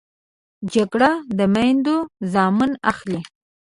جګړه د میندو زامن اخلي